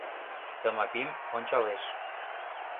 — Тымапим ончалеш.